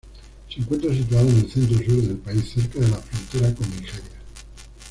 Se encuentra situada en el centro-sur del país, cerca de la frontera con Nigeria.